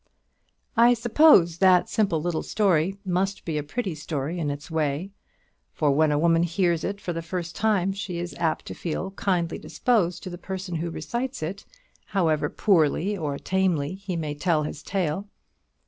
I suppose that simple little story must be a pretty story, in its way; for when a woman hears it for the first time, she is apt to feel kindly disposed to the person who recites it, however poorly or tamely he may tell his tale.